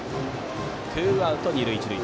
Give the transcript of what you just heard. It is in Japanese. ツーアウト、二塁一塁。